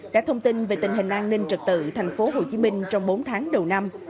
đã thông tin về tình hình an ninh trật tự tp hcm trong bốn tháng đầu năm